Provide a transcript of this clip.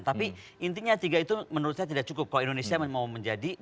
tapi intinya tiga itu menurut saya tidak cukup kalau indonesia mau menjadi